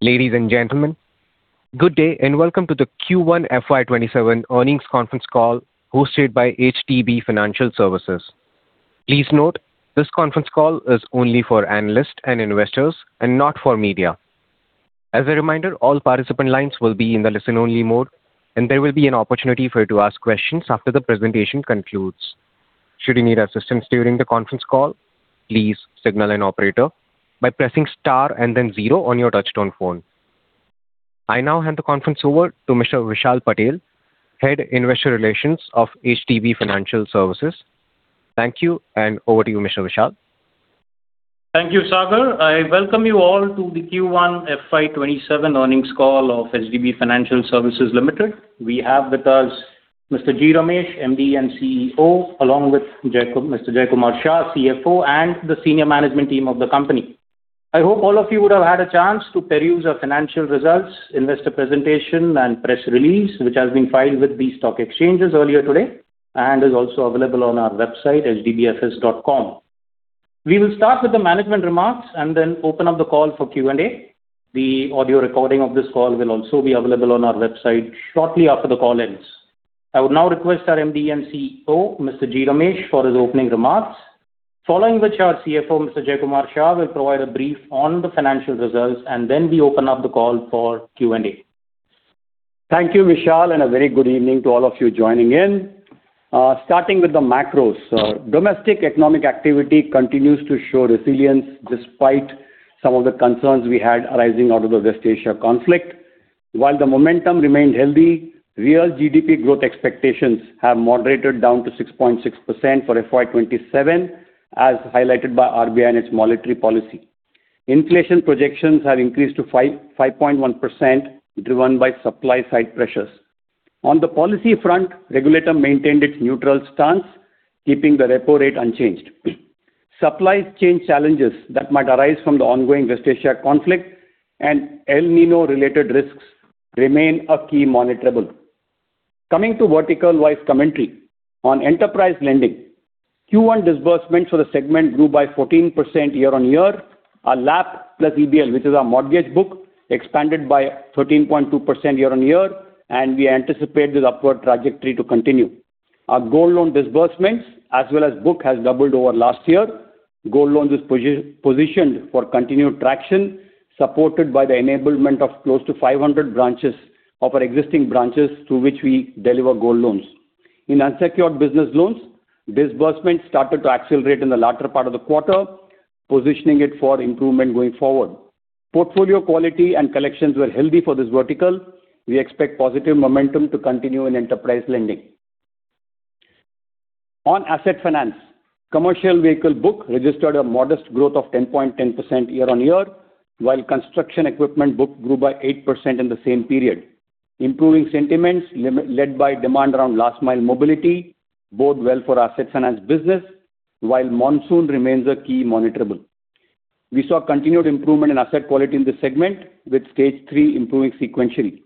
Ladies and gentlemen, good day and welcome to the Q1 FY 2027 Earnings Conference Call hosted by HDB Financial Services. Please note, this conference call is only for analysts and investors and not for media. As a reminder, all participant lines will be in the listen-only mode, and there will be an opportunity for you to ask questions after the presentation concludes. Should you need assistance during the conference call, please signal an operator by pressing star and then zero on your touchtone phone. I now hand the conference over to Mr. Vishal Patel, Head, Investor Relations of HDB Financial Services. Thank you, and over to you, Mr. Vishal. Thank you, Sagar. I welcome you all to the Q1 FY 2027 earnings call of HDB Financial Services Limited. We have with us Mr. G. Ramesh, MD & CEO, along with Mr. Jaykumar Shah, CFO, and the senior management team of the company. I hope all of you would have had a chance to peruse our financial results, investor presentation, and press release, which has been filed with the stock exchanges earlier today and is also available on our website, hdbfs.com. We will start with the management remarks. We open up the call for Q&A. The audio recording of this call will also be available on our website shortly after the call ends. I would now request our MD & CEO, Mr. G. Ramesh, for his opening remarks. Following which our CFO, Mr. Jaykumar Shah, will provide a brief on the financial results. We open up the call for Q&A. Thank you, Vishal, and a very good evening to all of you joining in. Starting with the macros. Domestic economic activity continues to show resilience despite some of the concerns we had arising out of the West Asia conflict. While the momentum remained healthy, real GDP growth expectations have moderated down to 6.6% for FY 2027, as highlighted by RBI and its monetary policy. Inflation projections have increased to 5.1%, driven by supply-side pressures. On the policy front, regulator maintained its neutral stance, keeping the repo rate unchanged. Supply chain challenges that might arise from the ongoing West Asia conflict and El Niño related risks remain a key monitorable. Coming to vertical-wise commentary. On Enterprise Lending, Q1 disbursements for the segment grew by 14% year-on-year. Our LAP plus EBL, which is our mortgage book, expanded by 13.2% year-on-year. We anticipate this upward trajectory to continue. Our gold loan disbursements as well as book has doubled over last year. Gold loans is positioned for continued traction, supported by the enablement of close to 500 branches of our existing branches to which we deliver gold loans. In unsecured business loans, disbursements started to accelerate in the latter part of the quarter, positioning it for improvement going forward. Portfolio quality and collections were healthy for this vertical. We expect positive momentum to continue in enterprise lending. On asset finance, commercial vehicle book registered a modest growth of 10.10% year-on-year, while construction equipment book grew by 8% in the same period. Improving sentiments led by demand around last mile mobility bode well for asset finance business, while monsoon remains a key monitorable. We saw continued improvement in asset quality in this segment, with stage three improving sequentially.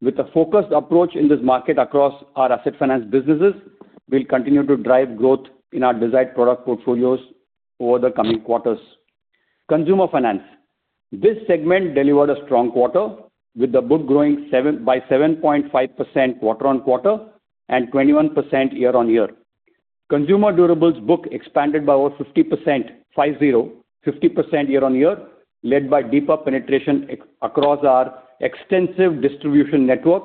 With a focused approach in this market across our asset finance businesses, we'll continue to drive growth in our desired product portfolios over the coming quarters. Consumer Finance. This segment delivered a strong quarter, with the book growing by 7.5% quarter-on-quarter and 21% year-on-year. Consumer durables book expanded by over 50% year-on-year, led by deeper penetration across our extensive distribution network,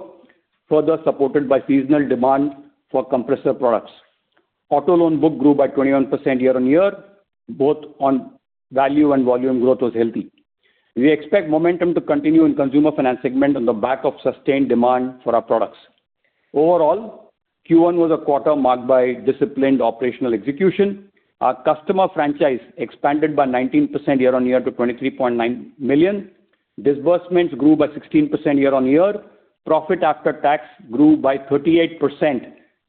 further supported by seasonal demand for compressor products. Auto loan book grew by 21% year-on-year. Both on value and volume growth was healthy. We expect momentum to continue in consumer finance segment on the back of sustained demand for our products. Overall, Q1 was a quarter marked by disciplined operational execution. Our customer franchise expanded by 19% year-on-year to 23.9 million. Disbursements grew by 16% year-on-year. Profit after tax grew by 38%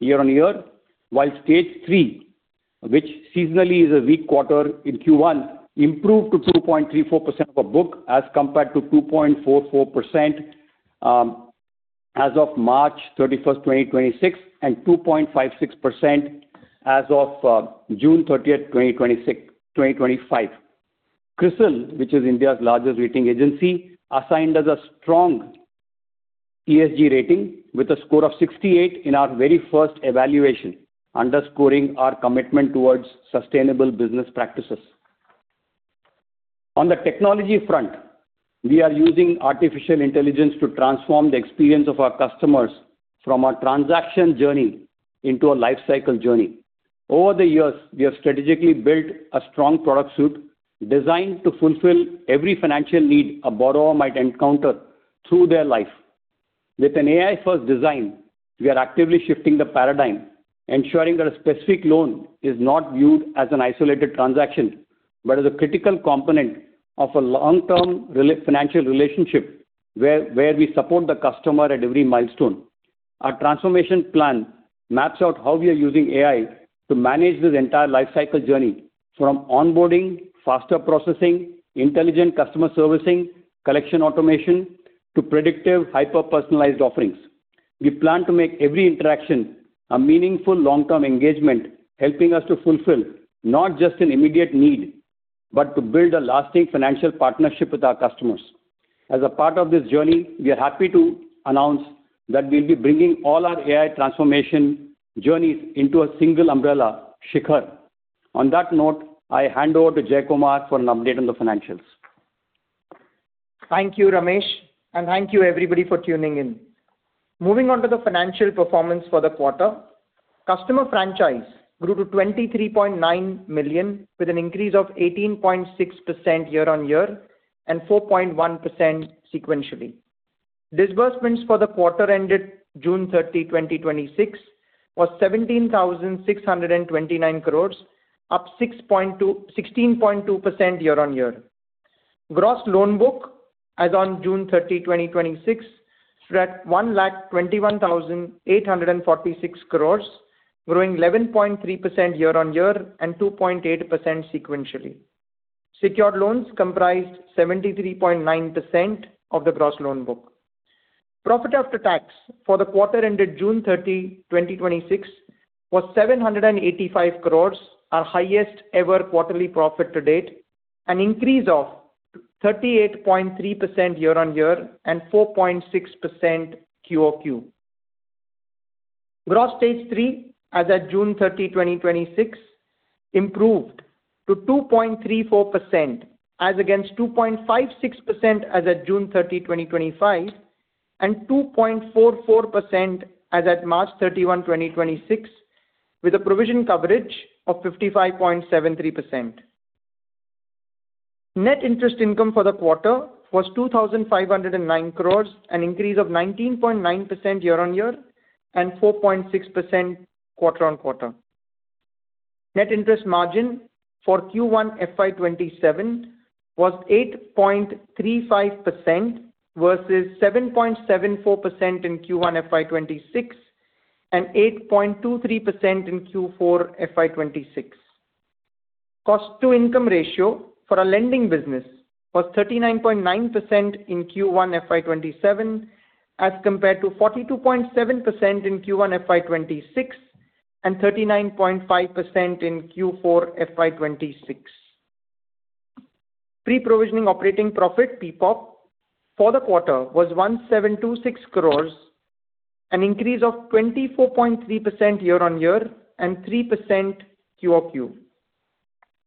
year-on-year, while stage three, which seasonally is a weak quarter in Q1, improved to 2.34% of our book as compared to 2.44% as of March 31st, 2026, and 2.56% as of June 30th,2025. CRISIL, which is India's largest rating agency, assigned us a strong ESG rating with a score of 68 in our very first evaluation, underscoring our commitment towards sustainable business practices. On the technology front, we are using artificial intelligence to transform the experience of our customers from a transaction journey into a life cycle journey. Over the years, we have strategically built a strong product suite designed to fulfill every financial need a borrower might encounter through their life. With an AI-first design, we are actively shifting the paradigm, ensuring that a specific loan is not viewed as an isolated transaction, but as a critical component of a long-term financial relationship where we support the customer at every milestone. Our transformation plan maps out how we are using AI to manage this entire life cycle journey from onboarding, faster processing, intelligent customer servicing, collection automation, to predictive hyper-personalized offerings. We plan to make every interaction a meaningful long-term engagement, helping us to fulfill not just an immediate need, but to build a lasting financial partnership with our customers. As a part of this journey, we are happy to announce that we'll be bringing all our AI transformation journeys into a single umbrella, Shikhar. On that note, I hand over to Jaykumar for an update on the financials. Thank you, Ramesh, and thank you everybody for tuning in. Moving on to the financial performance for the quarter. Customer franchise grew to 23.9 million with an increase of 18.6% year-on-year and 4.1% sequentially. Disbursement for the quarter ended June 30, 2026, was INR 17,629 crores, up 16.2% year-on-year. Gross loan book as on June 30, 2026, stood at 121,846 crores, growing 11.3% year-on-year and 2.8% sequentially. Secured loans comprised 73.9% of the gross loan book. Profit after tax for the quarter ended June 30, 2026, was 785 crores, our highest ever quarterly profit to date, an increase of 38.3% year-on-year and 4.6% QoQ. Gross stage three as at June 30, 2026, improved to 2.34% as against 2.56% as at June 30, 2025, and 2.44% as at March 31, 2026, with a provision coverage of 55.73%. Net interest income for the quarter was 2,509 crores, an increase of 19.9% year-on-year and 4.6% quarter-on-quarter. Net interest margin for Q1 FY 2027 was 8.35% versus 7.74% in Q1 FY 2026 and 8.23% in Q4 FY 2026. Cost-to-income ratio for our lending business was 39.9% in Q1 FY 2027 as compared to 42.7% in Q1 FY 2026 and 39.5% in Q4 FY 2026. Pre-provisioning operating profit, PPOP, for the quarter was 1,726 crores, an increase of 24.3% year-on-year and 3% QoQ.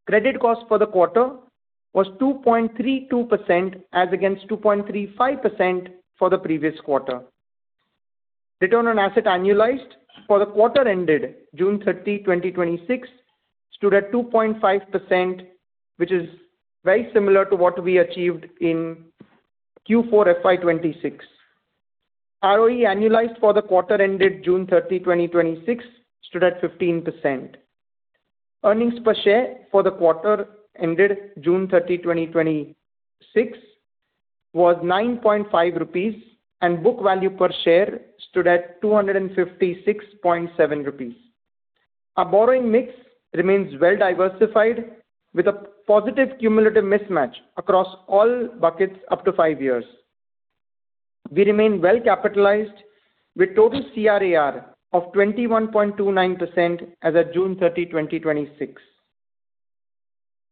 Credit cost for the quarter was 2.32% as against 2.35% for the previous quarter. Return on asset annualized for the quarter ended June 30, 2026, stood at 2.5%, which is very similar to what we achieved in Q4 FY 2026. ROE annualized for the quarter ended June 30, 2026, stood at 15%. Earnings per share for the quarter ended June 30, 2026, was 9.5 rupees, and book value per share stood at 256.7 rupees. Our borrowing mix remains well diversified with a positive cumulative mismatch across all buckets up to five years. We remain well capitalized with total CRAR of 21.29% as at June 30, 2026.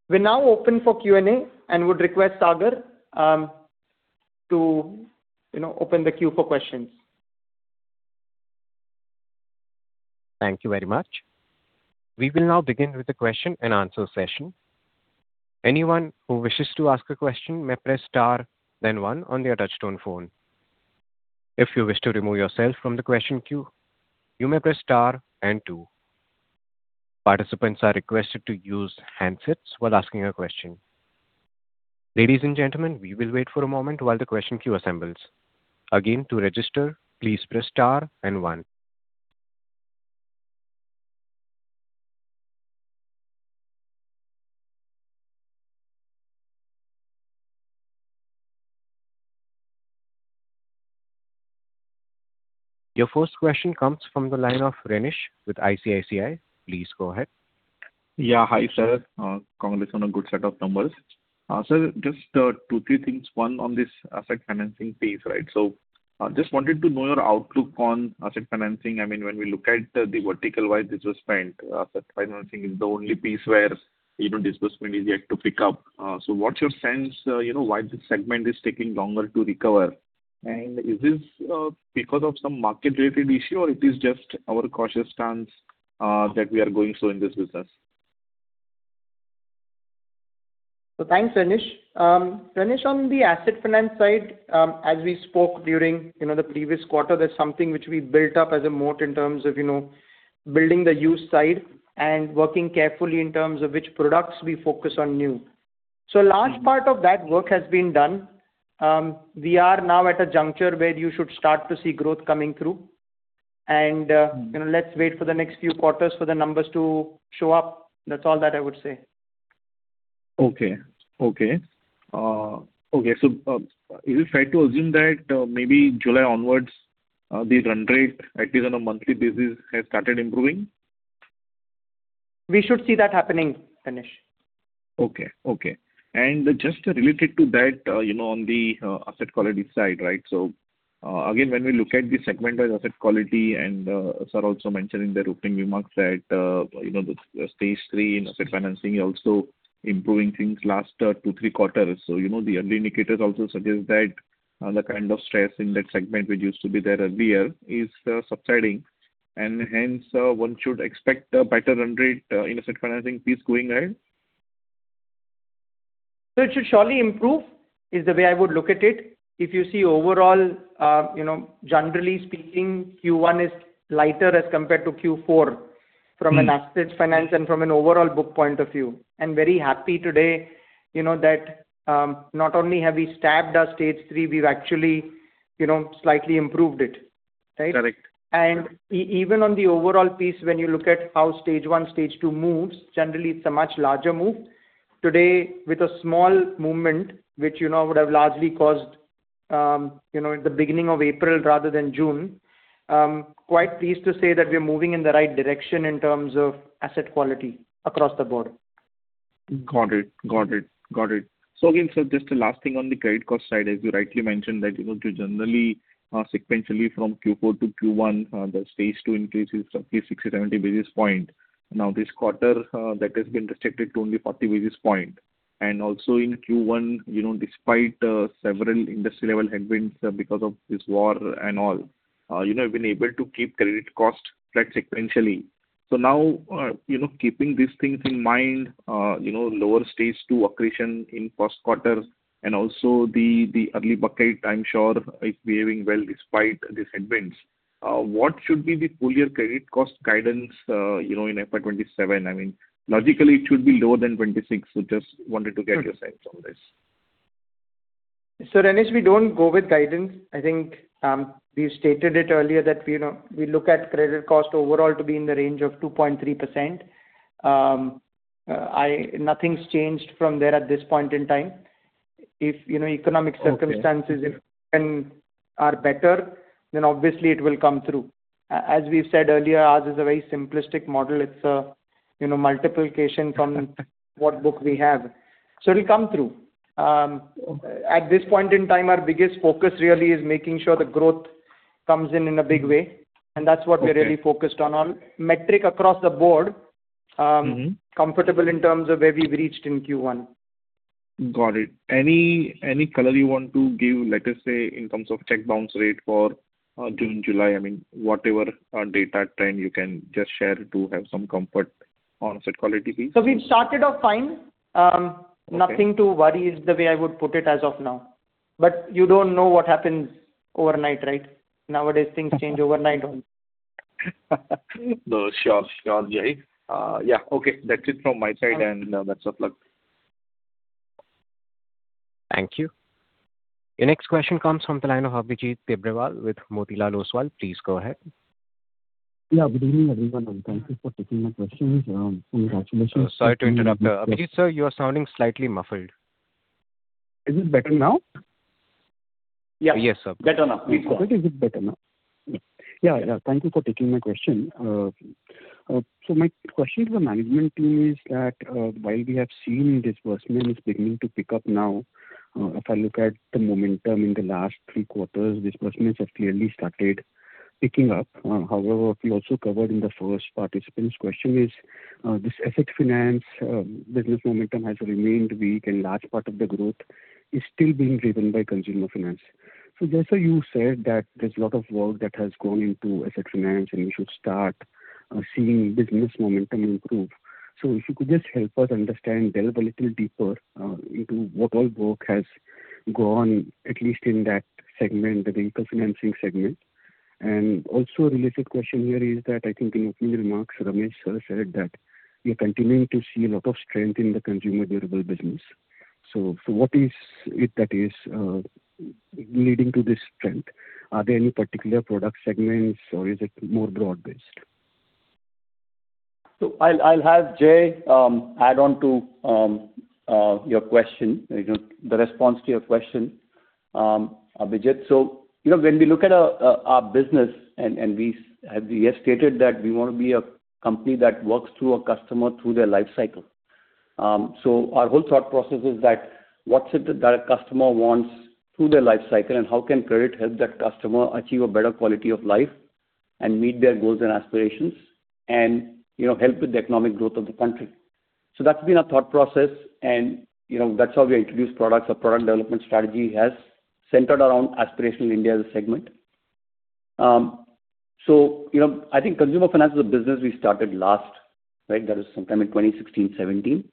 We're now open for Q&A and would request Sagar to open the queue for questions. Thank you very much. We will now begin with the question and answer session. Anyone who wishes to ask a question may press star then one on their touchtone phone. If you wish to remove yourself from the question queue, you may press star and two. Participants are requested to use handsets while asking a question. Ladies and gentlemen, we will wait for a moment while the question queue assembles. Again, to register, please press star and one. Your first question comes from the line of Rinesh with ICICI. Please go ahead. Hi, sir. Congratulations on a good set of numbers. Sir, just two, three things. One on this Asset Financing piece. Just wanted to know your outlook on Asset Financing. When we look at the vertical-wise disbursement, Asset Financing is the only piece where disbursement is yet to pick up. What's your sense why this segment is taking longer to recover? Is this because of some market-related issue, or it is just our cautious stance that we are going slow in this business? Thanks, Rinesh. Rinesh, on the Asset Finance side, as we spoke during the previous quarter, that's something which we built up as a moat in terms of building the use side and working carefully in terms of which products we focus on new. A large part of that work has been done. We are now at a juncture where you should start to see growth coming through. Let's wait for the next few quarters for the numbers to show up. That's all that I would say. Is it fair to assume that maybe July onwards, the run rate, at least on a monthly basis, has started improving? We should see that happening, Rinesh. Just related to that, on the asset quality side. Again, when we look at the segmented asset quality and sir also mentioned in their opening remarks that the stage three in Asset Finance also improving things last two, three quarters. The early indicators also suggest that the kind of stress in that segment, which used to be there earlier is subsiding and hence one should expect a better run rate in Asset Finance piece to remain? It should surely improve, is the way I would look at it. If you see overall, generally speaking, Q1 is lighter as compared to Q4 from an Asset Finance and from an overall book point of view. I am very happy today, that not only have we stabilized our stage three, we have actually slightly improved it. Right? Correct. Even on the overall piece, when you look at how stage one, stage two moves, generally it is a much larger move. Today, with a small movement, which would have largely caused at the beginning of April rather than June. I am quite pleased to say that we are moving in the right direction in terms of asset quality across the board. Got it. Again, sir, just a last thing on the credit cost side, as you rightly mentioned that you generally sequentially from Q4 to Q1, the stage two increase is roughly 60, 70 basis points. This quarter, that has been restricted to only 40 basis points. Also in Q1, despite several industry-level headwinds because of this war and all, you have been able to keep credit cost flat sequentially. Now, keeping these things in mind, lower stage two accretion in first quarter and also the early bucket, I am sure is behaving well despite these headwinds. What should be the full year credit cost guidance in FY 2027? I mean, logically it should be lower than 2026. Just wanted to get your sense on this. Rinesh, we don't go with guidance. I think we've stated it earlier that we look at credit cost overall to be in the range of 2.3%. Nothing's changed from there at this point in time. If economic circumstances are better, then obviously it will come through. As we've said earlier, ours is a very simplistic model. It's a multiplication from what book we have. It'll come through. At this point in time, our biggest focus really is making sure the growth comes in a big way, and that's what we're really focused on. Metric across the board. We are comfortable in terms of where we've reached in Q1. Got it. Any color you want to give, let us say, in terms of check bounce rate for June, July? I mean, whatever data trend you can just share to have some comfort on asset quality please. We've started off fine. Okay. Nothing to worry is the way I would put it as of now. You don't know what happens overnight, right? Nowadays, things change overnight only. Sure. Jay. Yeah. Okay. That's it from my side, and best of luck. Thank you. Your next question comes from the line of Abhijit Tibrewal with Motilal Oswal. Please go ahead. Yeah. Good evening, everyone, and thank you for taking my questions. Congratulations. Sorry to interrupt. Abhijit, sir, you are sounding slightly muffled. Is it better now? Yes, sir. Better now. Much better. Is it better now. Yeah. Thank you for taking my question. My question to the management team is that, while we have seen disbursements beginning to pick up now, if I look at the momentum in the last three quarters, disbursements have clearly started picking up. However, we also covered in the first participant's question, is this Asset Finance business momentum has remained weak, and large part of the growth is still being driven by Consumer Finance. There, sir, you said that there's a lot of work that has gone into Asset Finance and we should start seeing business momentum improve. If you could just help us understand, delve a little deeper, into what all work has gone at least in that segment, the vehicle financing segment. Also a related question here is that I think in your opening remarks, Ramesh sir said that you're continuing to see a lot of strength in the consumer durable business. What is it that is leading to this strength? Are there any particular product segments or is it more broad-based? I'll have Jai add on to your question, the response to your question, Abhijit. When we look at our business and we have stated that we want to be a company that works through a customer through their life cycle. Our whole thought process is that what's it that a customer wants through their life cycle and how can credit help that customer achieve a better quality of life and meet their goals and aspirations and help with the economic growth of the country? That's been our thought process, and that's how we introduce products. Our product development strategy has centered around aspirational India as a segment. I think Consumer Finance is a business we started last. That is sometime in 2016, 2017,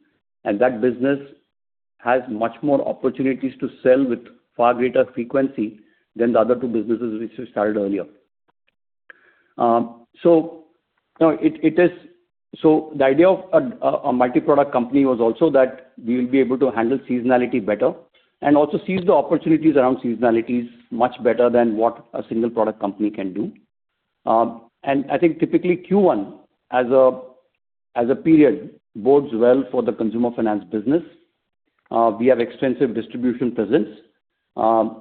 and that business has much more opportunities to sell with far greater frequency than the other two businesses which we started earlier. The idea of a multi-product company was also that we will be able to handle seasonality better and also seize the opportunities around seasonalities much better than what a single product company can do. I think typically Q1 as a period bodes well for the Consumer Finance business. We have extensive distribution presence.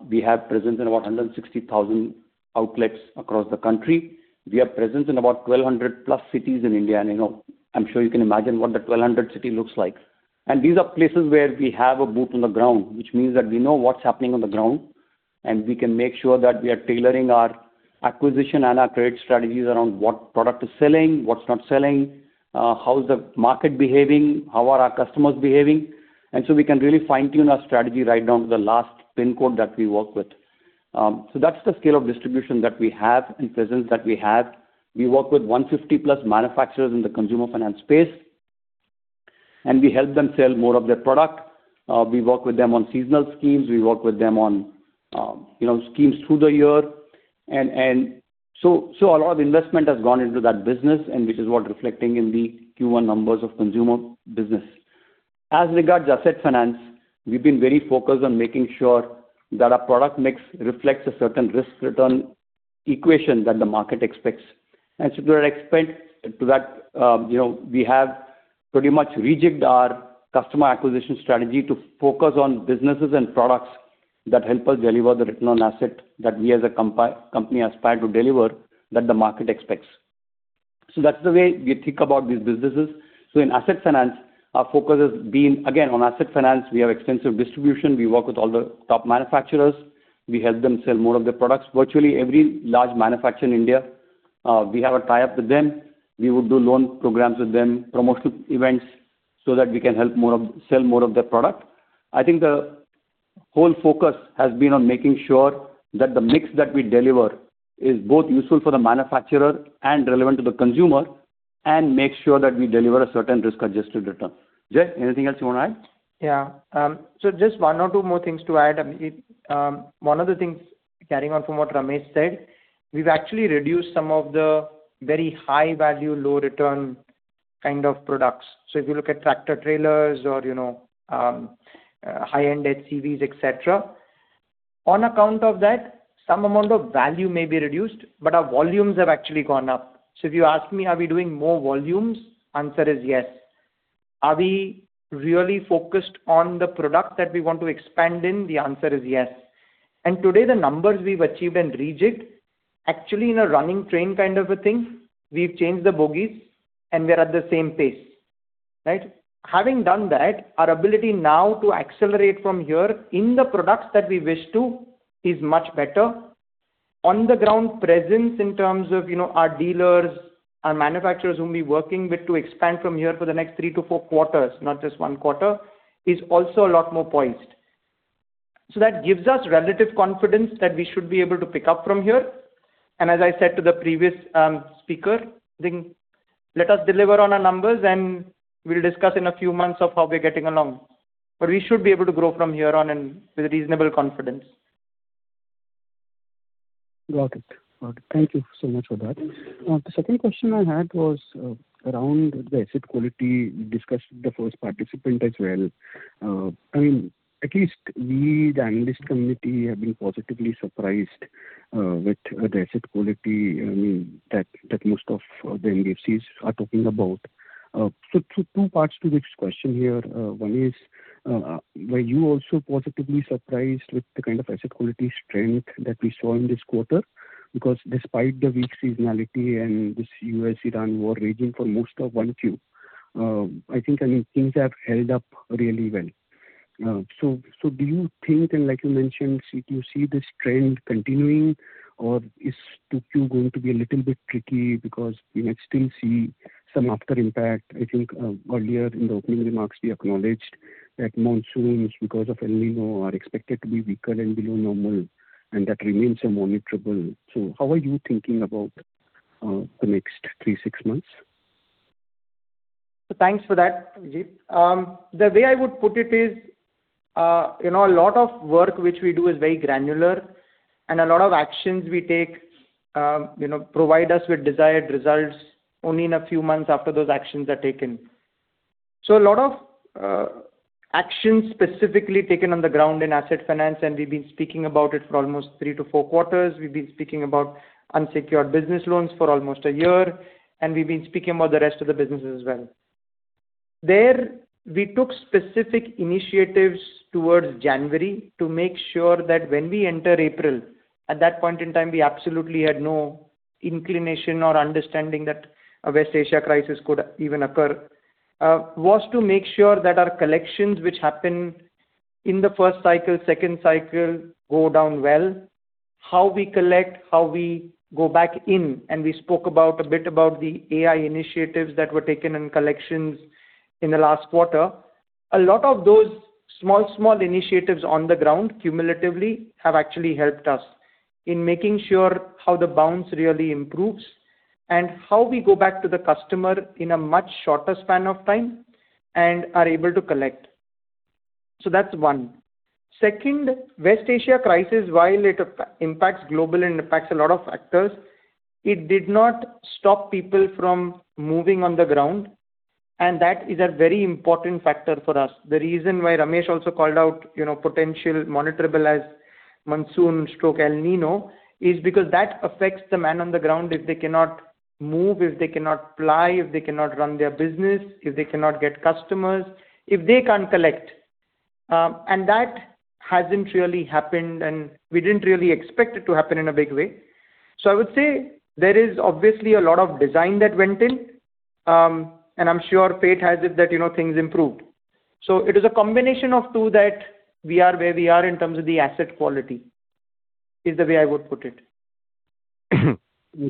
We have presence in about 160,000 outlets across the country. We have presence in about 1,200+ cities in India, and I'm sure you can imagine what the 1,200 city looks like. These are places where we have a boot on the ground, which means that we know what's happening on the ground, and we can make sure that we are tailoring our acquisition and our trade strategies around what product is selling, what's not selling, how is the market behaving, how are our customers behaving. We can really fine-tune our strategy right down to the last pin code that we work with. That's the scale of distribution that we have and presence that we have. We work with 150 plus manufacturers in the Consumer Finance space, we help them sell more of their product. We work with them on seasonal schemes. We work with them on schemes through the year. A lot of investment has gone into that business, which is what reflecting in the Q1 numbers of consumer business. As regards Asset Finance, we've been very focused on making sure that our product mix reflects a certain risk-return equation that the market expects. To that, we have pretty much rejigged our customer acquisition strategy to focus on businesses and products that help us deliver the return on asset that we as a company aspire to deliver that the market expects. That's the way we think about these businesses. In Asset Finance, our focus has been, again, on Asset Finance, we have extensive distribution. We work with all the top manufacturers. We help them sell more of their products. Virtually every large manufacturer in India, we have a tie-up with them. We would do loan programs with them, promotional events, so that we can help sell more of their product. I think the whole focus has been on making sure that the mix that we deliver is both useful for the manufacturer and relevant to the consumer and make sure that we deliver a certain risk-adjusted return. Jay, anything else you want to add? Yeah. Just one or two more things to add. One of the things, carrying on from what Ramesh said, we've actually reduced some of the very high-value, low-return kind of products. If you look at tractor-trailers or high-end LCVs, et cetera. On account of that, some amount of value may be reduced, but our volumes have actually gone up. If you ask me, are we doing more volumes? Answer is yes. Are we really focused on the product that we want to expand in? The answer is yes. Today, the numbers we've achieved and rejigged, actually in a running train kind of a thing, we've changed the bogies and we're at the same pace. Right? Having done that, our ability now to accelerate from here in the products that we wish to is much better. On the ground presence in terms of our dealers, our manufacturers whom we're working with to expand from here for the next three to four quarters, not just one quarter, is also a lot more poised. That gives us relative confidence that we should be able to pick up from here. As I said to the previous speaker, I think, let us deliver on our numbers and we'll discuss in a few months of how we're getting along. We should be able to grow from here on and with reasonable confidence. Got it. Thank you so much for that. The second question I had was around the asset quality discussed with the first participant as well. At least we, the analyst community, have been positively surprised with the asset quality that most of the HDFCs are talking about. Two parts to this question here. One is, were you also positively surprised with the kind of asset quality strength that we saw in this quarter? Because despite the weak seasonality and this U.S., Iran war raging for most of 1Q, I think things have held up really well. Do you think, and like you mentioned, do you see this trend continuing or is 2Q going to be a little bit tricky because we might still see some after impact? I think earlier in the opening remarks, we acknowledged that monsoons because of El Niño are expected to be weaker and below normal, and that remains a monitorable. How are you thinking about the next three, six months? Thanks for that, Abhijit. The way I would put it is, a lot of work which we do is very granular and a lot of actions we take provide us with desired results only in a few months after those actions are taken. A lot of actions specifically taken on the ground in Asset Finance, and we've been speaking about it for almost three to four quarters. We've been speaking about unsecured business loans for almost a year, and we've been speaking about the rest of the business as well. There, we took specific initiatives towards January to make sure that when we enter April, at that point in time, we absolutely had no inclination or understanding that a West Asia crisis could even occur. Was to make sure that our collections which happen in the first cycle, second cycle go down well, how we collect, how we go back in, and we spoke a bit about the AI initiatives that were taken in collections in the last quarter. A lot of those small initiatives on the ground cumulatively have actually helped us in making sure how the bounce really improves and how we go back to the customer in a much shorter span of time and are able to collect. That's one. Second, West Asia crisis, while it impacts global and impacts a lot of factors, it did not stop people from moving on the ground, and that is a very important factor for us. The reason why Ramesh also called out potential monitorable as Monsoon stroke El Niño is because that affects the man on the ground, if they cannot move, if they cannot fly, if they cannot run their business, if they cannot get customers, if they can't collect. That hasn't really happened, and we didn't really expect it to happen in a big way. I would say there is obviously a lot of design that went in, and I'm sure fate has it that things improved. It is a combination of two that we are where we are in terms of the asset quality, is the way I would put it.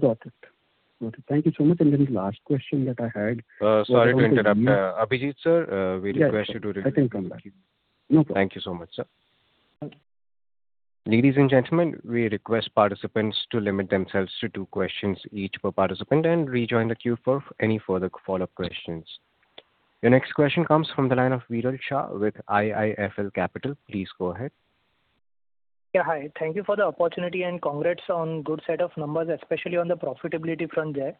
Got it. Thank you so much. Then the last question that I had. Sorry to interrupt. Abhijit, sir, we request you to return to the queue. I think I'm back. No problem. Thank you so much, sir. Thank you. Ladies and gentlemen, we request participants to limit themselves to two questions each per participant and rejoin the queue for any further follow-up questions. The next question comes from the line of Viral Shah with IIFL Capital. Please go ahead. Yeah. Hi. Thank you for the opportunity and congrats on good set of numbers, especially on the profitability front there.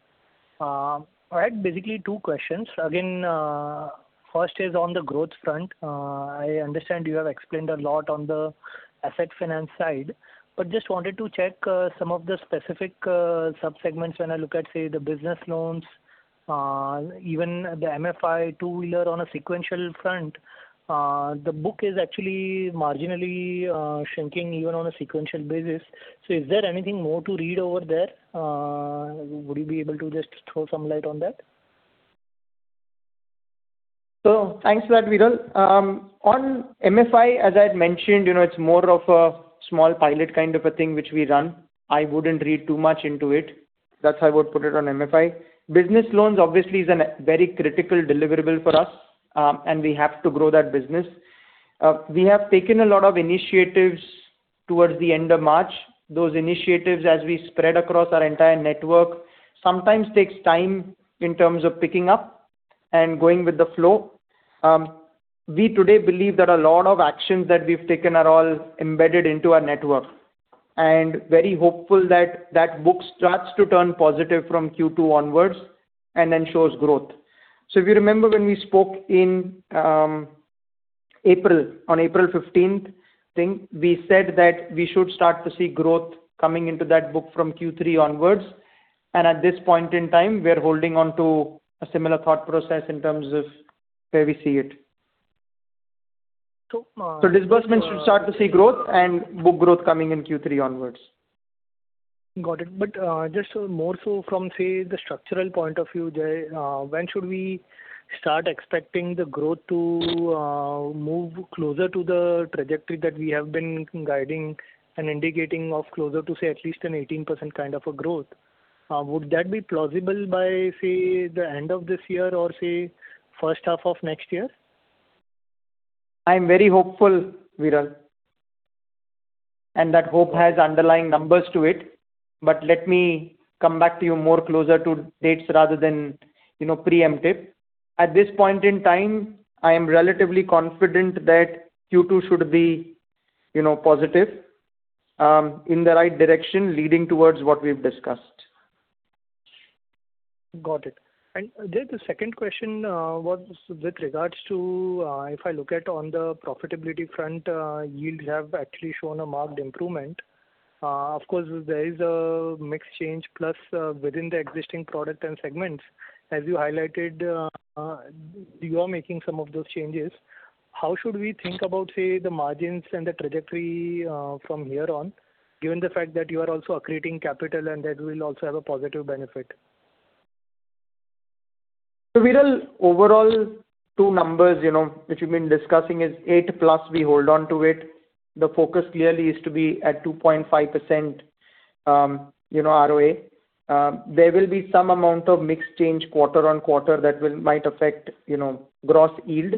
I had basically two questions. Again, first is on the growth front. I understand you have explained a lot on the Asset Finance side, but just wanted to check some of the specific sub-segments. When I look at, say, the business loans, even the MFI two-wheeler on a sequential front, the book is actually marginally shrinking even on a sequential basis. Is there anything more to read over there? Would you be able to just throw some light on that? Thanks for that, Viral. On MFI, as I had mentioned, it's more of a small pilot kind of a thing which we run. I wouldn't read too much into it. That's how I would put it on MFI. Business loans obviously is a very critical deliverable for us, and we have to grow that business. We have taken a lot of initiatives towards the end of March. Those initiatives, as we spread across our entire network, sometimes takes time in terms of picking up and going with the flow. We today believe that a lot of actions that we've taken are all embedded into our network, and very hopeful that that book starts to turn positive from Q2 onwards and then shows growth. If you remember when we spoke on April 15th, I think, we said that we should start to see growth coming into that book from Q3 onwards. At this point in time, we're holding on to a similar thought process in terms of where we see it. Disbursements should start to see growth and book growth coming in Q3 onwards. Got it. Just more so from, say, the structural point of view there, when should we start expecting the growth to move closer to the trajectory that we have been guiding and indicating of closer to, say, at least an 18% kind of a growth? Would that be plausible by, say, the end of this year or, say, first half of next year? I'm very hopeful, Viral, that hope has underlying numbers to it. Let me come back to you more closer to dates rather than preempt it. At this point in time, I am relatively confident that Q2 should be positive in the right direction, leading towards what we've discussed. Got it. There the second question was with regards to if I look at on the profitability front, yields have actually shown a marked improvement. Of course, there is a mix change plus within the existing product and segments. As you highlighted, you are making some of those changes. How should we think about, say, the margins and the trajectory from here on, given the fact that you are also accreting capital and that will also have a positive benefit? Viral, overall two numbers, which we've been discussing is eight plus we hold on to it. The focus clearly is to be at 2.5% ROA. There will be some amount of mix change quarter-on-quarter that might affect gross yield.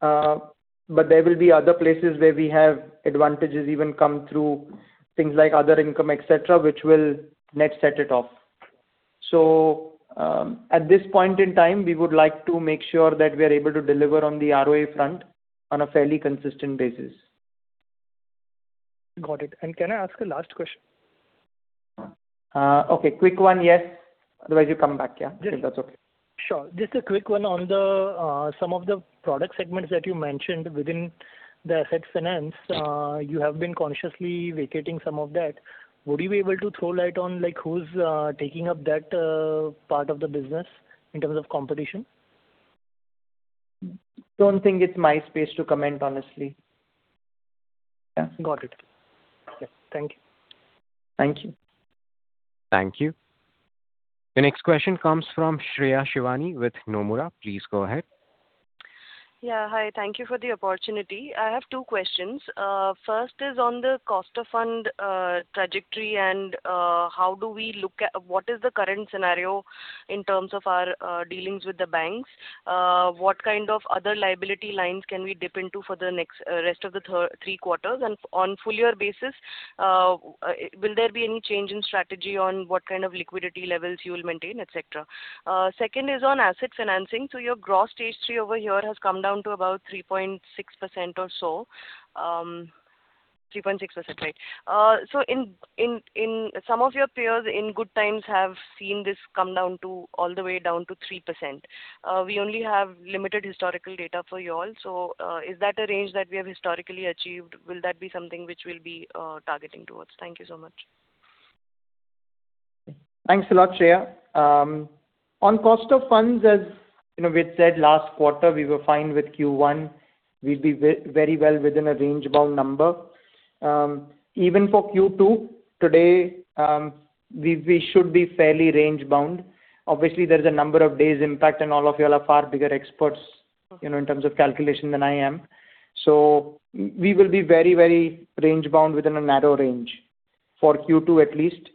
There will be other places where we have advantages even come through things like other income, et cetera, which will net set it off. At this point in time, we would like to make sure that we are able to deliver on the ROA front on a fairly consistent basis. Got it. Can I ask a last question? Okay. Quick one, yes. Otherwise you come back, yeah. If that's okay. Sure. Just a quick one on some of the product segments that you mentioned within the asset finance, you have been consciously vacating some of that. Would you be able to throw light on who's taking up that part of the business in terms of competition? Don't think it's my space to comment, honestly. Yeah. Got it. Okay. Thank you. Thank you. Thank you. The next question comes from Shreya Shivani with Nomura. Please go ahead. Yeah. Hi. Thank you for the opportunity. I have two questions. First is on the cost of fund trajectory and what is the current scenario in terms of our dealings with the banks? What kind of other liability lines can we dip into for the rest of the three quarters? And on full year basis, will there be any change in strategy on what kind of liquidity levels you will maintain, et cetera? Second is on asset financing. So your gross stage three over here has come down to about 3.6% or so. 3.6%, right. So some of your peers in good times have seen this come all the way down to 3%. We only have limited historical data for you all. So is that a range that we have historically achieved? Will that be something which we'll be targeting towards? Thank you so much. Thanks a lot, Shreya. On cost of funds, as we had said last quarter, we were fine with Q1. We'd be very well within a range bound number. Even for Q2, today, we should be fairly range bound. Obviously, there's a number of days impact and all of you all are far bigger experts in terms of calculation than I am. We will be very range bound within a narrow range for Q2 at least.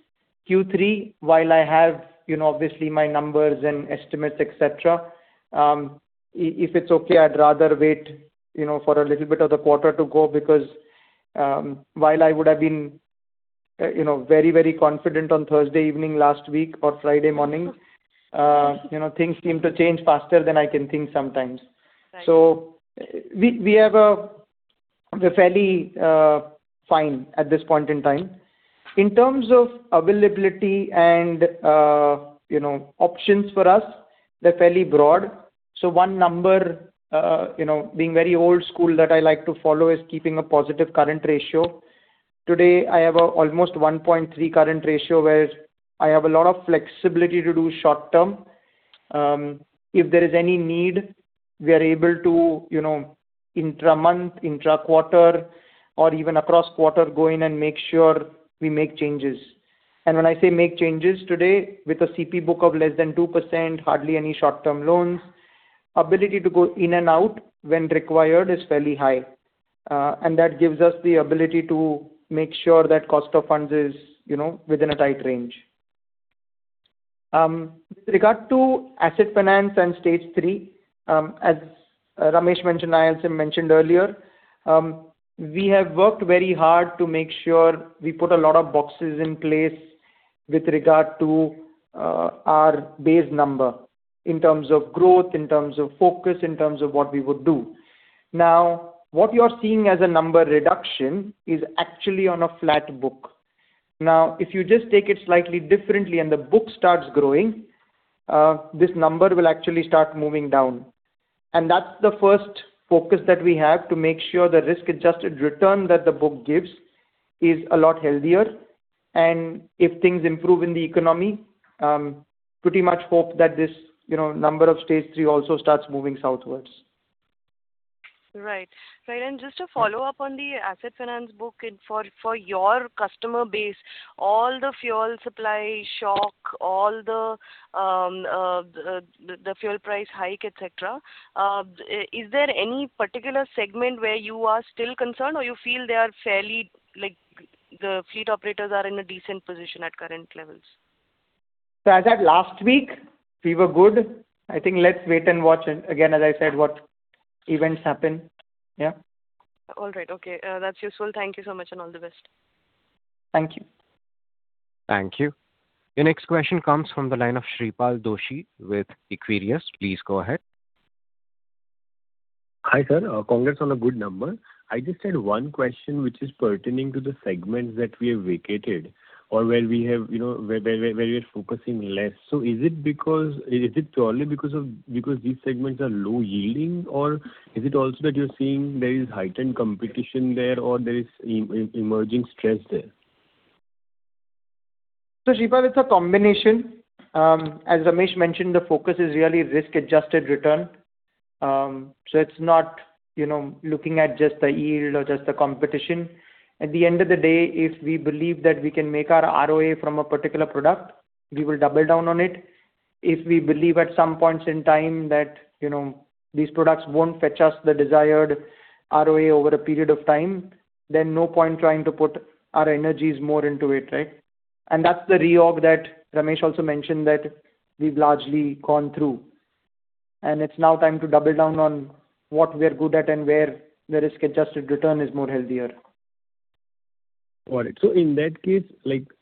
Q3, while I have obviously my numbers and estimates, et cetera, if it's okay, I'd rather wait for a little bit of the quarter to go because while I would have been very confident on Thursday evening last week or Friday morning, things seem to change faster than I can think sometimes. Right. We're fairly fine at this point in time. In terms of availability and options for us, they're fairly broad. One number, being very old school that I like to follow is keeping a positive current ratio. Today, I have almost 1.3% current ratio, where I have a lot of flexibility to do short-term. If there is any need, we are able to intra-month, intra-quarter or even across quarter go in and make sure we make changes. When I say make changes today with a CP book of less than 2%, hardly any short-term loans, ability to go in and out when required is fairly high. That gives us the ability to make sure that cost of funds is within a tight range. With regard to Asset Finance and stage three, as Ramesh mentioned, I also mentioned earlier, we have worked very hard to make sure we put a lot of boxes in place with regard to our base number in terms of growth, in terms of focus, in terms of what we would do. Now, what you're seeing as a number reduction is actually on a flat book. Now, if you just take it slightly differently and the book starts growing, this number will actually start moving down. That's the first focus that we have to make sure the risk-adjusted return that the book gives is a lot healthier. If things improve in the economy, pretty much hope that this number of stage three also starts moving southwards. Right. Just to follow up on the Asset Finance book for your customer base, all the fuel supply shock, all the fuel price hike, et cetera, is there any particular segment where you are still concerned or you feel they are fairly, like the fleet operators are in a decent position at current levels? As at last week, we were good. I think let's wait and watch and again, as I said, what events happen. Yeah. All right. Okay. That's useful. Thank you so much and all the best. Thank you. Thank you. The next question comes from the line of Shreepal Doshi with Equirus. Please go ahead. Hi, sir. Congrats on a good number. I just had one question which is pertaining to the segments that we have vacated or where we are focusing less. Is it purely because these segments are low yielding or is it also that you're seeing there is heightened competition there or there is emerging stress there? Shreepal, it's a combination. As Ramesh mentioned, the focus is really risk-adjusted return. It's not looking at just the yield or just the competition. At the end of the day, if we believe that we can make our ROA from a particular product, we will double down on it. If we believe at some points in time that these products won't fetch us the desired ROA over a period of time, then no point trying to put our energies more into it, right? That's the reorg that Ramesh also mentioned that we've largely gone through. It's now time to double down on what we're good at and where the risk-adjusted return is more healthier. Got it. In that case,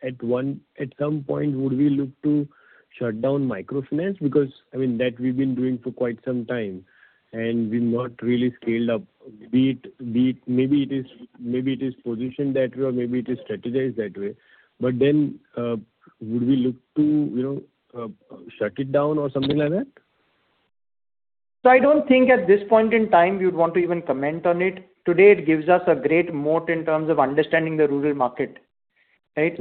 at some point, would we look to shut down microfinance? Because that we've been doing for quite some time and we've not really scaled up. Maybe it is positioned that way or maybe it is strategized that way. Would we look to shut it down or something like that? I don't think at this point in time you'd want to even comment on it. Today, it gives us a great moat in terms of understanding the rural market. Right?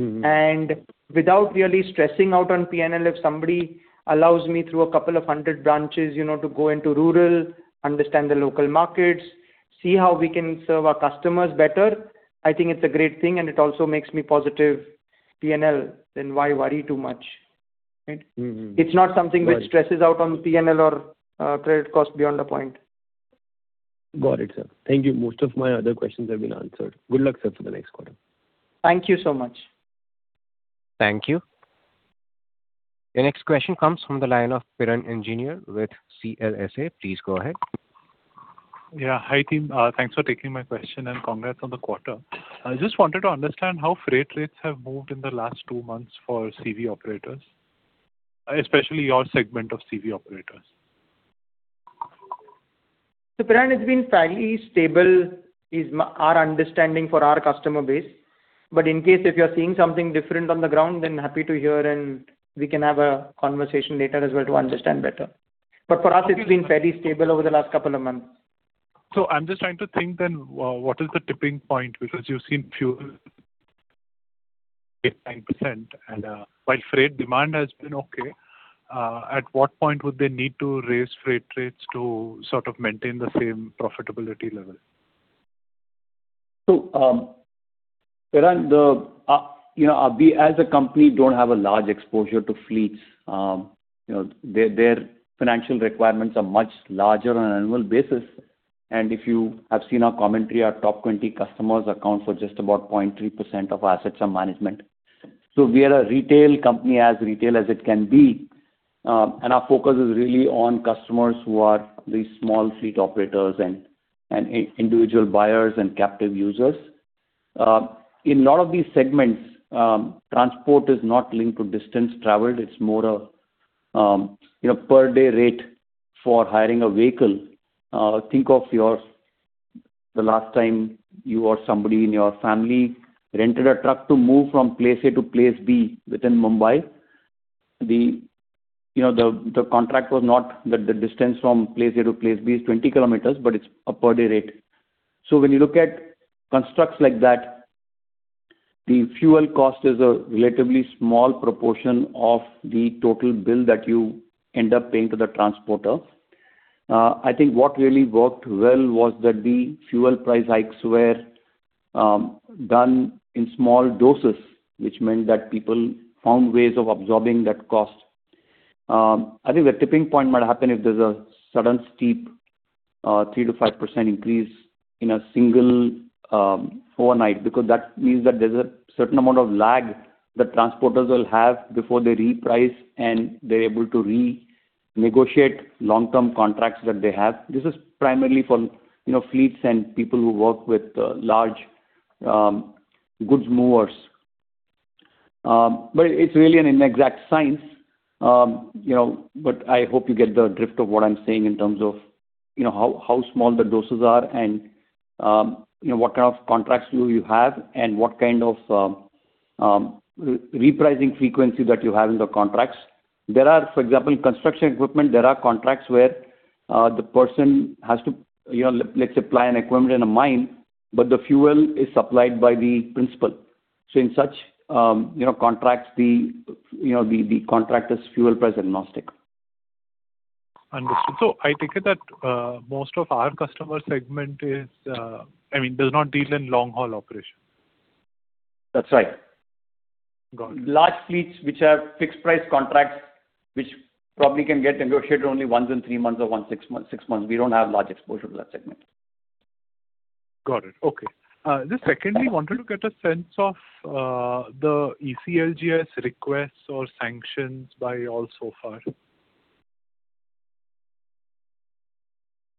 Without really stressing out on P&L, if somebody allows me through a couple of 100 branches to go into rural, understand the local markets, see how we can serve our customers better, I think it's a great thing and it also makes me positive P&L, then why worry too much, right? It's not something which stresses out on P&L or credit cost beyond a point. Got it, sir. Thank you. Most of my other questions have been answered. Good luck, sir, for the next quarter. Thank you so much. Thank you. The next question comes from the line of Piran Engineer with CLSA. Please go ahead. Yeah. Hi, team. Thanks for taking my question and congrats on the quarter. I just wanted to understand how freight rates have moved in the last two months for CV operators, especially your segment of CV operators. Piran, it's been fairly stable is our understanding for our customer base. In case if you're seeing something different on the ground, then happy to hear and we can have a conversation later as well to understand better. For us, it's been fairly stable over the last couple of months. I'm just trying to think then, what is the tipping point? Because you've seen fuel 9%, while freight demand has been okay, at what point would they need to raise freight rates to sort of maintain the same profitability level? Piran, we as a company don't have a large exposure to fleets. Their financial requirements are much larger on an annual basis. If you have seen our commentary, our top 20 customers account for just about 0.3% of assets on management. We are a retail company, as retail as it can be. Our focus is really on customers who are the small fleet operators and individual buyers and captive users. In lot of these segments, transport is not linked to distance traveled, it's more a per-day rate for hiring a vehicle. Think of the last time you or somebody in your family rented a truck to move from place A to place B within Mumbai. The contract was not that the distance from place A to place B is 20 km, but it's a per-day rate. When you look at constructs like that, the fuel cost is a relatively small proportion of the total bill that you end up paying to the transporter. I think what really worked well was that the fuel price hikes were done in small doses, which meant that people found ways of absorbing that cost. I think the tipping point might happen if there's a sudden steep 3%-5% increase in a single overnight, because that means that there's a certain amount of lag that transporters will have before they reprice and they're able to renegotiate long-term contracts that they have. This is primarily for fleets and people who work with large goods movers. It's really an inexact science. I hope you get the drift of what I'm saying in terms of how small the doses are and what kind of contracts you have and what kind of repricing frequency that you have in the contracts. There are, for example, construction equipment. There are contracts where the person has to, let's supply an equipment in a mine, but the fuel is supplied by the principal. In such contracts, the contract is fuel price-agnostic. Understood. I take it that most of our customer segment does not deal in long-haul operation. That's right. Got it. Large fleets, which have fixed price contracts, which probably can get negotiated only once in three months or once in six months. We don't have large exposure to that segment. Got it. Okay. Just secondly, wanted to get a sense of the ECLGS requests or sanctions by y'all so far.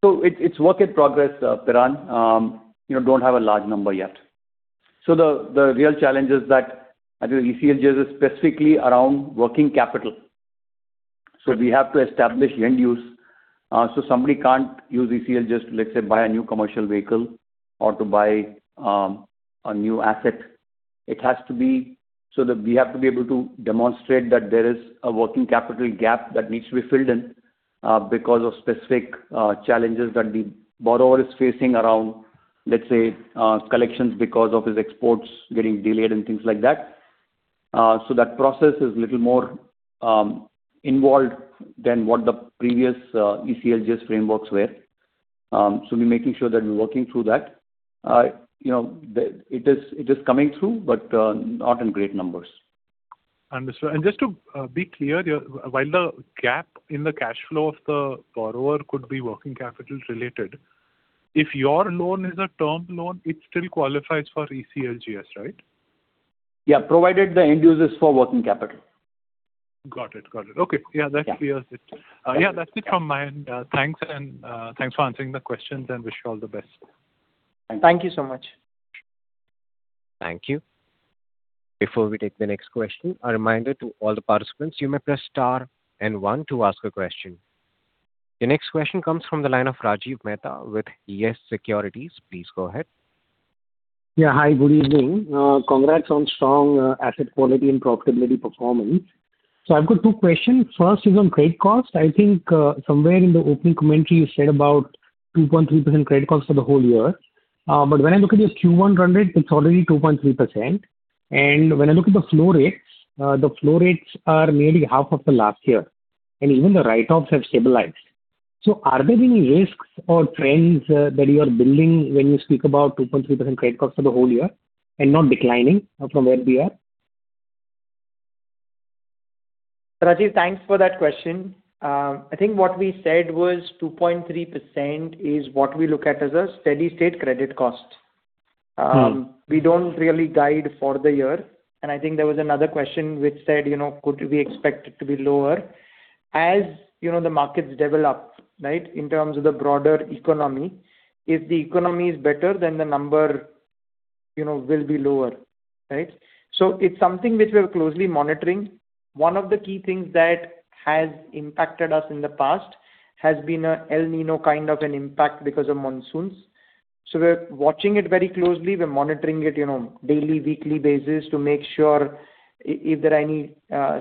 It's work in progress, Piran. Don't have a large number yet. The real challenge is that, I think ECLGS is specifically around working capital. We have to establish end use. Somebody can't use ECLGS to, let's say, buy a new commercial vehicle or to buy a new asset. We have to be able to demonstrate that there is a working capital gap that needs to be filled in because of specific challenges that the borrower is facing around, let's say, collections because of his exports getting delayed and things like that. That process is little more involved than what the previous ECLGS frameworks were. We're making sure that we're working through that. It is coming through, but not in great numbers. Understood. Just to be clear, while the gap in the cash flow of the borrower could be working capital-related, if your loan is a term loan, it still qualifies for ECLGS, right? Yeah. Provided the end use is for working capital. Got it. Okay. Yeah. That clears it. Yeah. That's it from my end. Thanks for answering the questions and wish you all the best. Thank you so much. Thank you. Before we take the next question, a reminder to all the participants, you may press star one to ask a question. The next question comes from the line of Rajiv Mehta with Yes Securities. Please go ahead. Yeah. Hi, good evening. Congrats on strong asset quality and profitability performance. I've got two questions. First is on credit cost. I think somewhere in the opening commentary you said about 2.3% credit cost for the whole year. When I look at this Q1 run rate, it's already 2.3%. When I look at the flow rates, the flow rates are nearly half of the last year, and even the write-offs have stabilized. Are there any risks or trends that you are building when you speak about 2.3% credit cost for the whole year and not declining from where we are? Rajiv, thanks for that question. I think what we said was 2.3% is what we look at as a steady state credit cost. We don't really guide for the year, and I think there was another question which said, could we expect it to be lower? As the markets develop, right, in terms of the broader economy, if the economy is better, then the number will be lower. Right. It's something which we're closely monitoring. One of the key things that has impacted us in the past has been an El Niño kind of an impact because of monsoons. We're watching it very closely. We're monitoring it daily, weekly basis to make sure if there are any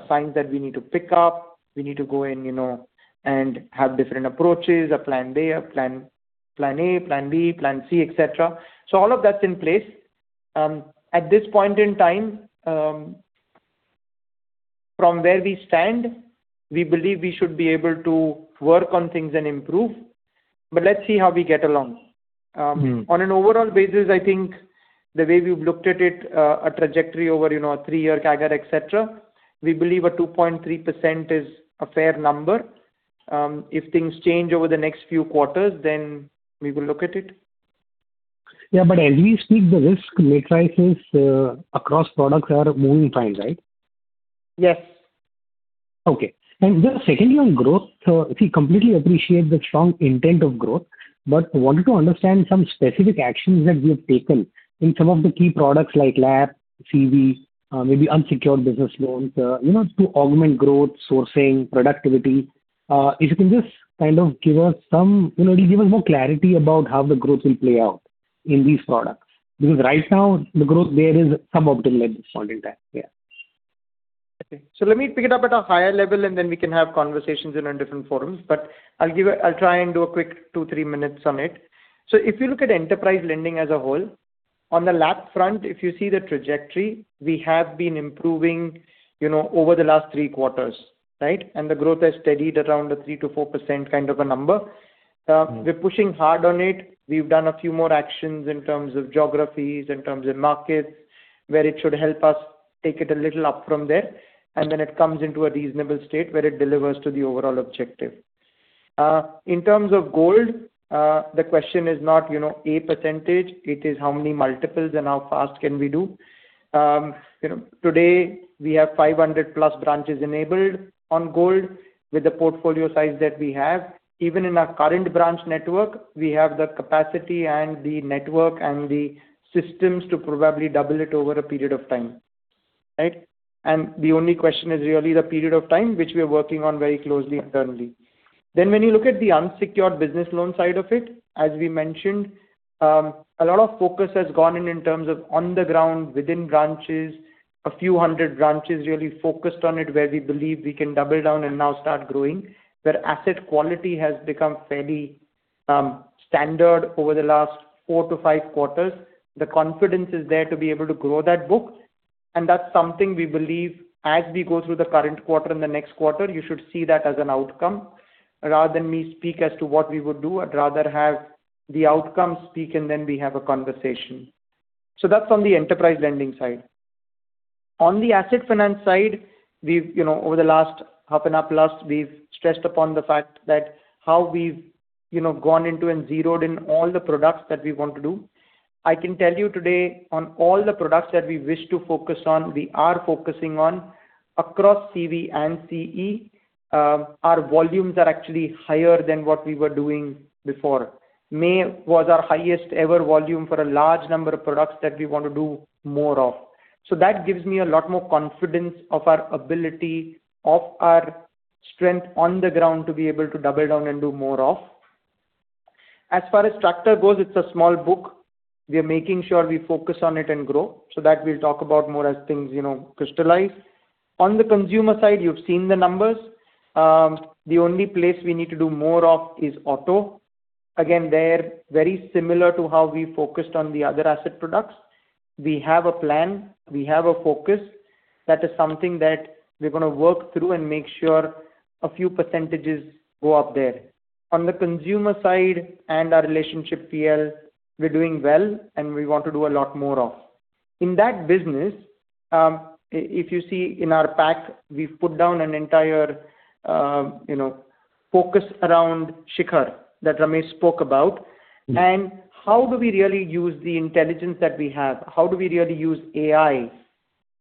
signs that we need to pick up, we need to go in and have different approaches, a plan A, plan B, plan C, et cetera. All of that's in place. At this point in time, from where we stand, we believe we should be able to work on things and improve. Let's see how we get along. On an overall basis, I think the way we've looked at it, a trajectory over a three-year CAGR, et cetera, we believe a 2.3% is a fair number. If things change over the next few quarters, then we will look at it. Yeah, as we speak, the risk matrices across products are moving fine, right. Yes. Secondly, on growth. We completely appreciate the strong intent of growth, wanted to understand some specific actions that we have taken in some of the key products like LAP, CV, maybe unsecured business loans, to augment growth, sourcing, productivity. If you can just give us more clarity about how the growth will play out in these products. Right now, the growth there is suboptimal at this point in time. Yeah. Let me pick it up at a higher level, we can have conversations in different forums. I'll try and do a quick two, three minutes on it. If you look at enterprise lending as a whole, on the LAP front, if you see the trajectory, we have been improving over the last three quarters. Right? The growth has steadied around a 3%-4% kind of a number. We're pushing hard on it. We've done a few more actions in terms of geographies, in terms of markets, where it should help us take it a little up from there, it comes into a reasonable state where it delivers to the overall objective. In terms of gold, the question is not a percentage, it is how many multiples and how fast can we do. Today we have 500+ branches enabled on gold with the portfolio size that we have. Even in our current branch network, we have the capacity and the network and the systems to probably double it over a period of time. Right? The only question is really the period of time, which we are working on very closely internally. When you look at the unsecured business loan side of it, as we mentioned, a lot of focus has gone in in terms of on the ground within branches. A few hundred branches really focused on it where we believe we can double down and now start growing, where asset quality has become fairly standard over the last four to five quarters. The confidence is there to be able to grow that book, that's something we believe as we go through the current quarter the next quarter, you should see that as an outcome rather than me speak as to what we would do. I'd rather have the outcome speak we have a conversation. That's on the enterprise lending side. On the Asset Finance side, over the last half and half plus, we've stressed upon the fact that how we've gone into and zeroed in all the products that we want to do. I can tell you today on all the products that we wish to focus on, we are focusing on across CV and CE. Our volumes are actually higher than what we were doing before. May was our highest ever volume for a large number of products that we want to do more of. That gives me a lot more confidence of our ability, of our strength on the ground to be able to double down and do more of. As far as tractor goes, it's a small book. We are making sure we focus on it and grow. That we'll talk about more as things crystallize. On the consumer side, you've seen the numbers. The only place we need to do more of is auto. Again, there, very similar to how we focused on the other Asset products. We have a plan. We have a focus. That is something that we're going to work through and make sure a few percentages go up there. On the consumer side and our relationship PL, we're doing well and we want to do a lot more of. In that business, if you see in our pack, we've put down an entire focus around Shikhar that Ramesh spoke about. How do we really use the intelligence that we have? How do we really use AI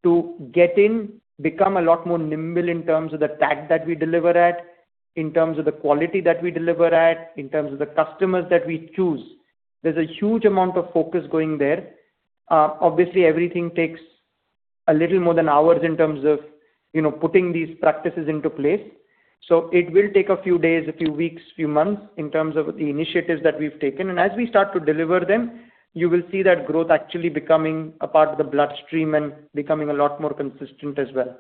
to get in, become a lot more nimble in terms of the tag that we deliver at, in terms of the quality that we deliver at, in terms of the customers that we choose? There's a huge amount of focus going there. Obviously, everything takes a little more than hours in terms of putting these practices into place. It will take a few days, a few weeks, few months in terms of the initiatives that we've taken. As we start to deliver them, you will see that growth actually becoming a part of the bloodstream and becoming a lot more consistent as well.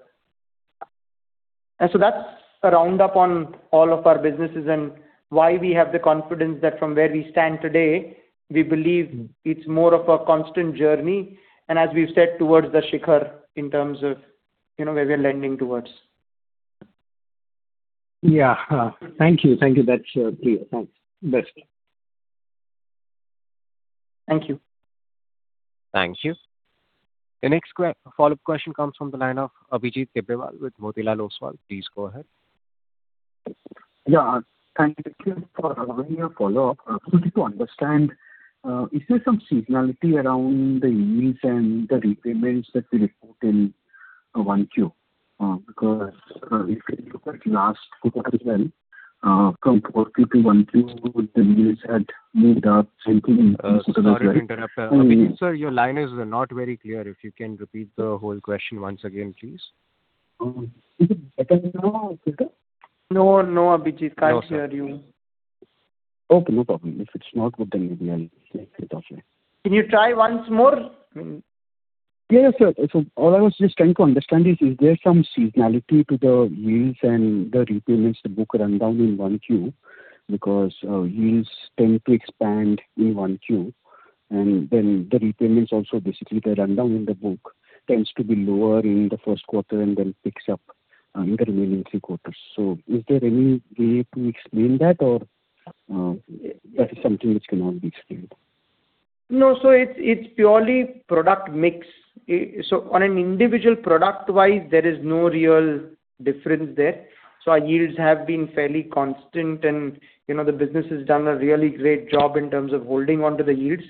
That's a roundup on all of our businesses and why we have the confidence that from where we stand today, we believe it's more of a constant journey. As we've said, towards the Shikhar in terms of where we are lending towards. Yeah. Thank you. That's clear. Thanks. Best. Thank you. Thank you. The next follow-up question comes from the line of Abhijit Tibrewal with Motilal Oswal. Please go ahead. Yeah. Thank you for allowing a follow-up. Wanted to understand, is there some seasonality around the yields and the repayments that you report in 1Q? If you look at last quarter as well, from quarter to 1Q, the yields had moved up slightly- Sorry to interrupt. Abhijit, sir, your line is not very clear. If you can repeat the whole question once again, please. Is it better now, Sagar? No, Abhijit, can't hear you. Okay, no problem. If it's not good, maybe I'll stay without it. Can you try once more? Yes, sir. All I was just trying to understand is there some seasonality to the yields and the repayments, the book rundown in 1Q, because yields tend to expand in 1Q, and then the repayments also, basically, the rundown in the book tends to be lower in the first quarter and then picks up in the remaining three quarters. Is there any way to explain that or that is something which cannot be explained? No. It's purely product mix. On an individual product-wise, there is no real difference there. Our yields have been fairly constant and the business has done a really great job in terms of holding onto the yields,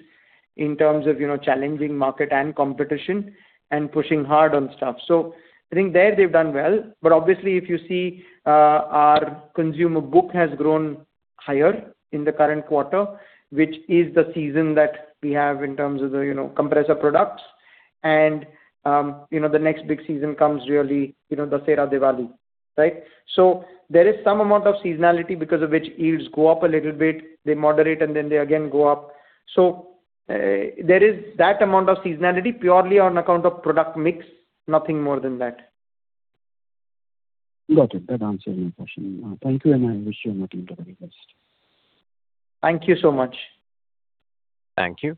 in terms of challenging market and competition and pushing hard on stuff. I think there they've done well. Obviously, if you see our consumer book has grown higher in the current quarter, which is the season that we have in terms of the compressor products. And the next big season comes really, the Dussehra-Diwali. There is some amount of seasonality because of which yields go up a little bit, they moderate, and then they again go up. There is that amount of seasonality purely on account of product mix, nothing more than that. Got it. That answers my question. Thank you, and I wish you nothing but all the best. Thank you so much. Thank you.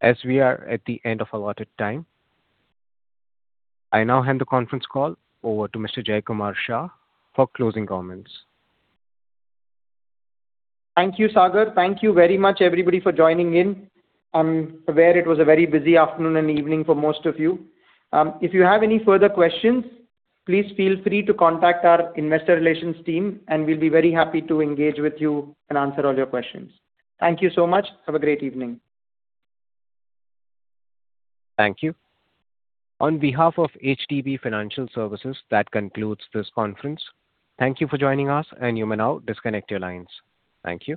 As we are at the end of allotted time, I now hand the conference call over to Mr. Jaykumar Shah for closing comments. Thank you, Sagar. Thank you very much, everybody, for joining in. I'm aware it was a very busy afternoon and evening for most of you. If you have any further questions, please feel free to contact our investor relations team, and we'll be very happy to engage with you and answer all your questions. Thank you so much. Have a great evening. Thank you. On behalf of HDB Financial Services, that concludes this conference. Thank you for joining us, and you may now disconnect your lines. Thank you.